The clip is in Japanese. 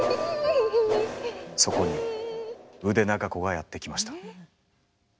そこに腕長子がやって来ました。